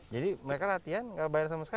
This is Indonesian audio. jadi mereka latihan nggak bayar sama sekali